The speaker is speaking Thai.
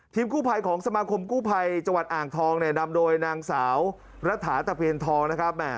กู้ภัยของสมาคมกู้ภัยจังหวัดอ่างทองเนี่ยนำโดยนางสาวรัฐาตะเพียนทองนะครับ